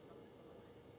ditembak tidak jelas